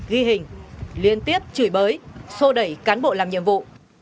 ghi hình liên tiếp chửi bới sô đẩy cán bộ làm nhiệm vụ